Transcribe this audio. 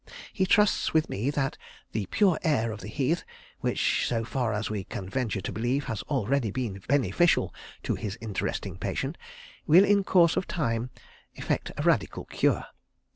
He trusts with me that the pure air of the Heath, which so far as we can venture to believe has already been beneficial to his interesting patient, will in course of time effect a radical cure.